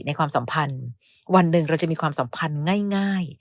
ความสัมพันธ์วันหนึ่งเราจะมีความสัมพันธ์ง่าย